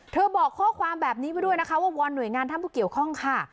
บอกข้อความแบบนี้ไปด้วยนะคะว่าวอนหน่วยงานท่านผู้เกี่ยวข้องค่ะ